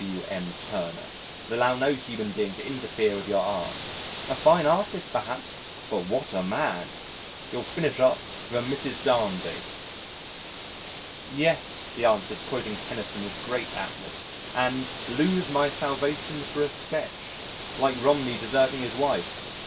W.M. Turner, and allow no human being to interfere with your art. A fine artist perhaps but what a man! You'll finish up with a Mrs. Danby." "Yes," he answered, quoting Tennyson with great aptness, "and 'lose my salvation for a sketch,' like Romney deserting his wife.